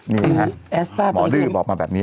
นี่นะฮะหมอดื้อบอกมาแบบนี้